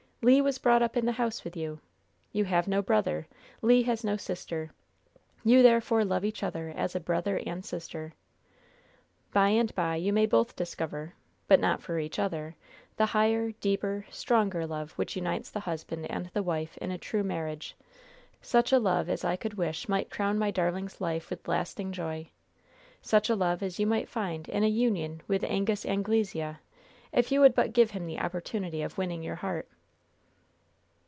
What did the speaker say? Le was brought up in the house with you. You have no brother. Le has no sister. You therefore love each other as brother and sister. By and by you both may discover but not for each other the higher, deeper, stronger love which unites the husband and the wife in a true marriage such a love as I could wish might crown my darling's life with lasting joy such a love as you might find in a union with Angus Anglesea, if you would but give him the opportunity of winning your heart."